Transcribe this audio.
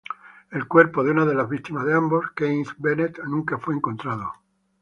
El cuerpo de una de las víctimas de ambos, Keith Bennett, nunca fue encontrado.